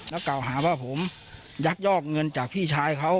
แล้วกล่าวหาว่าผมยักยอกเงินจากพี่ชายเขา